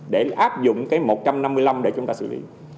để áp dụng cái một trăm năm mươi năm để chúng ta xử lý